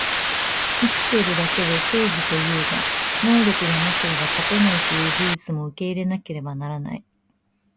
生きてるだけで正義というが、能力がなければ勝てないという事実も受け入れなければならない